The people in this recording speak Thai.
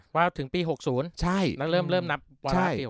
ว่าถึงปี๖๐แล้วเริ่มนับวาราซิล